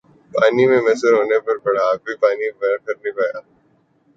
پانی میسر ہونے پر بھی پانی پھر پیا نہیں ہر